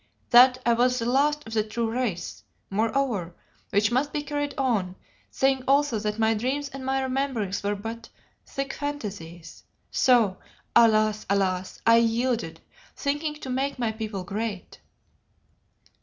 That I was the last of the true race, moreover, which must be carried on; saying also that my dreams and my rememberings were but sick phantasies. So, alas! alas! I yielded, thinking to make my people great."